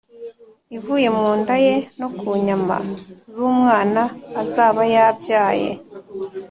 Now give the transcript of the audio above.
ivuye mu nda ye no ku nyama z’umwana azaba yabyaye,